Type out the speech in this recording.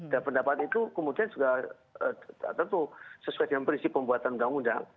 dan pendapat itu kemudian juga tentu sesuai dengan prinsip pembuatan undang undang